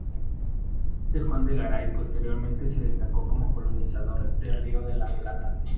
Este Juan de Garay posteriormente se destacó como colonizador de Río de la Plata.